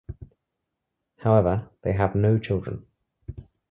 However, they have no children.